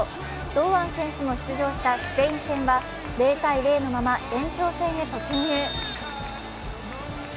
堂安選手も出場したスペイン戦は０−０のまま延長戦へ突入。